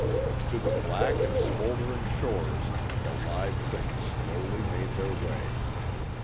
To the black and smouldering shores the live things slowly made their way.